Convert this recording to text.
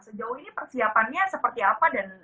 sejauh ini persiapannya seperti apa dan